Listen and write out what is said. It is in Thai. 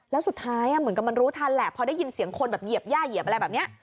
แล้วสุดท้ายเหมือนกับมันรู้ทันแหละพอได้ยินเสียงคนเหยียบแบบนี้